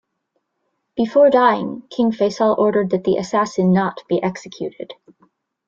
Before dying, King Faisal ordered that the assassin not be executed.